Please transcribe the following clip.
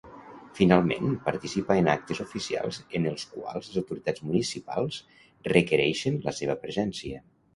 Finalment, participa en actes oficials en els quals les autoritats municipals requereixen la seva presència.